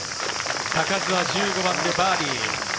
嘉数は１５番でバーディー。